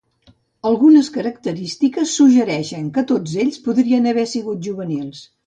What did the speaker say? Algunes característiques suggereixen que tots ells podrien haver sigut juvenils.